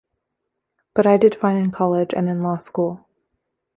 But I did fine in college and in law school.